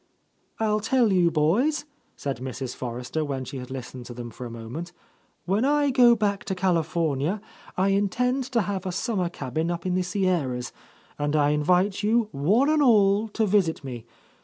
"I'll tell you, boys," said Mrs. Forrester, when she had listened to them for a moment, "when I go back to California, I intend to have a summer cabin up in the Sierras, and I invite you, one and all, to visit me.